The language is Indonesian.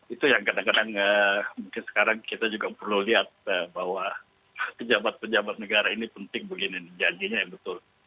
itu yang kadang kadang mungkin sekarang kita juga perlu lihat bahwa pejabat pejabat negara ini penting begini janjinya yang betul